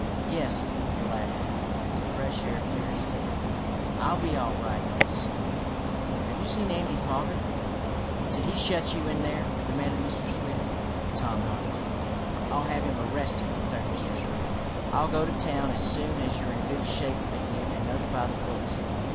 "Yes," the lad added, as the fresh air cleared his head. "I'll be all right pretty soon. Have you seen Andy Foger?" "Did he shut you in there?" demanded Mr. Swift. Tom nodded. "I'll have him arrested!" declared Mr. Swift. "I'll go to town as soon as you're in good shape again and notify the police."